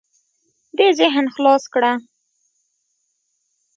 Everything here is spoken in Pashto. دې ذهن خلاص کړه.